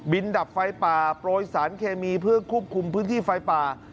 ดับไฟป่าโปรยสารเคมีเพื่อควบคุมพื้นที่ไฟป่า